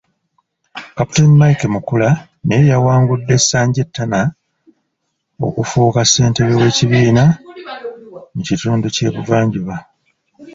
Captain Mike Mukula naye yawangudde Sanjay Tana okufuuka ssentebe w’ekibiina mu kitundu ky’e Buvanjuba.